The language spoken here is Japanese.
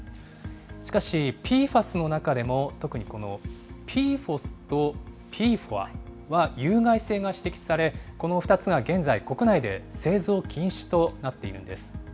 しかし、ＰＦＡＳの中でも特にこのＰＦＯＳとＰＦＯＡは有害性が指摘され、この２つが現在、国内で製造禁止となっているんです。